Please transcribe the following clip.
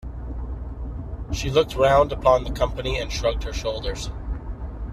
She looked round upon the company and shrugged her shoulders.